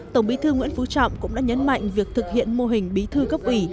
tổng bí thư nguyễn phú trọng cũng đã nhấn mạnh việc thực hiện mô hình bí thư cấp ủy